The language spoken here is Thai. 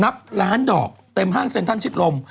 นับล้านดอกเต็มห้างเซ็นทันชิดลม